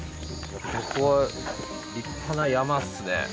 ここは立派な山ですね。